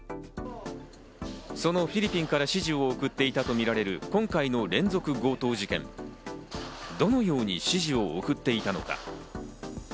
そのフィリピンから指示を送っていたとみられる今回の連続強盗事件、どのように指示を送っていたのか？